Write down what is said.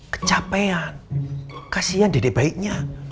kecapean kasian dede baiknya